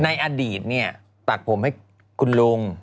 ในอดีตเนี่ยตัดผมให้คุณลุง